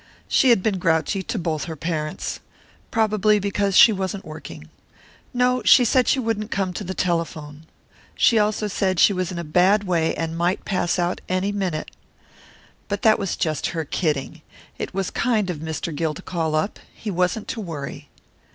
She had been grouchy to both her parents. Probably because she wasn't working. No, she said she wouldn't come to the telephone. She also said she was in a bad way and might pass out any minute. But that was just her kidding. It was kind of Mr. Gill to call up. He wasn't to worry.